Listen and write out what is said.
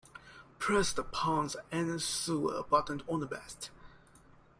Press the pants and sew a button on the vest.